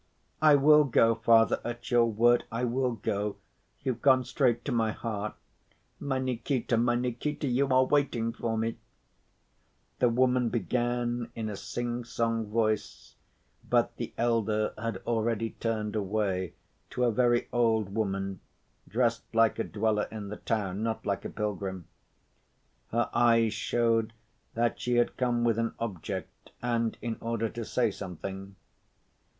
"I will go, Father, at your word. I will go. You've gone straight to my heart. My Nikita, my Nikita, you are waiting for me," the woman began in a sing‐song voice; but the elder had already turned away to a very old woman, dressed like a dweller in the town, not like a pilgrim. Her eyes showed that she had come with an object, and in order to say something.